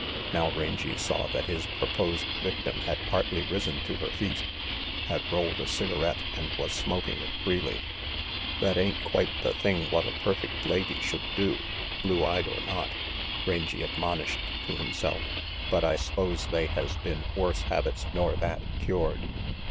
Now Rangy saw that his proposed victim had partly risen to her feet, had rolled a cigarette and was smoking it freely. "That ain't quite the thing what a perfect lady 74 RANGY PETE should do, blue eyed or not," Rangy admonished to himself, "but I s'pose they has been worse habits nor that cured."